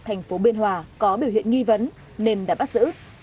tp biên hòa có biểu hiện nghi vấn nên đã bắt giữ